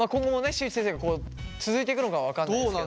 「新内先生」が続いていくのかは分かんないですけど。